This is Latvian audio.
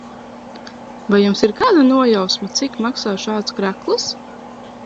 Vai jums ir kāda nojausma, cik maksā šāds krekls?